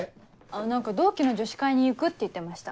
何か同期の女子会に行くって言ってました。